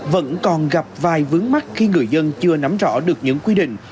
vẫn còn gặp vài vướng mắt khi người dân chưa nắm rõ được những quy định